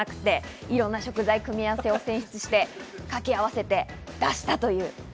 いろんな組み合わせを算出して、掛け合わせて出しました。